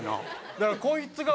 だからこいつが。